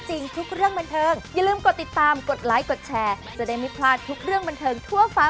แต่นี่ผิดเป็นเขินใช่ไหมคะพี่ตาย